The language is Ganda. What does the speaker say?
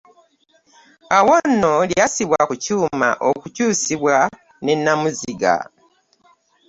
Awo nno lyassibwa ku kyuma okukyusibwa ne nnamuziga.